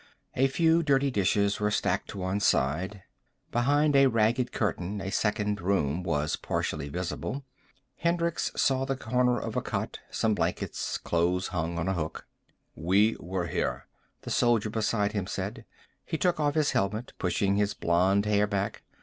A few dirty dishes were stacked to one side. Behind a ragged curtain a second room was partly visible. Hendricks saw the corner of a cot, some blankets, clothes hung on a hook. "We were here," the soldier beside him said. He took off his helmet, pushing his blond hair back.